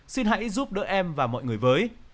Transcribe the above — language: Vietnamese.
xin hãy giúp đỡ em và mọi người với